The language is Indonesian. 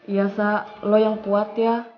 iya sa lo yang kuat ya